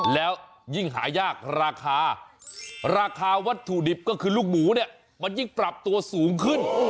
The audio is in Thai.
แล้วยิ่งหายากราคาราคาวัตถุดิบก็คือลูกหมูเนี่ยมันยิ่งปรับตัวสูงขึ้น